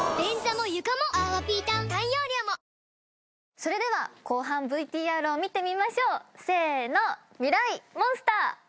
それでは後半ＶＴＲを見てみましょうせーのミライ☆モンスター。